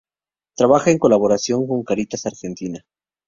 Trabaja en colaboración con Cáritas Argentina.